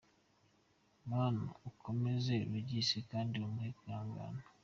Mana ukomeze Regis kandi umuhe kwihangana.